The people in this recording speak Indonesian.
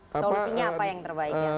solusinya apa yang terbaiknya